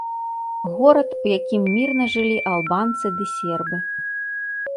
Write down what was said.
Горад, у якім мірна жылі албанцы ды сербы.